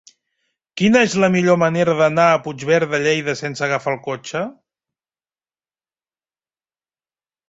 Quina és la millor manera d'anar a Puigverd de Lleida sense agafar el cotxe?